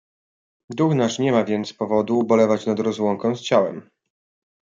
"Duch nasz nie ma więc powodu ubolewać nad rozłąką z ciałem."